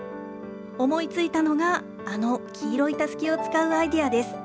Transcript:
思いついたのが、あの黄色いたすきを使うアイデアです。